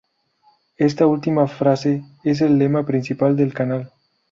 Esta última frase es el lema principal del canal.